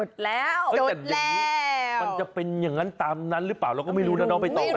แต่อย่างนี้มันจะเป็นอย่างนั้นตามนั้นหรือเปล่าเราก็ไม่รู้นะน้องไปต่อนะ